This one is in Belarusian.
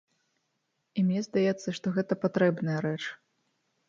І мне здаецца, што гэта патрэбная рэч.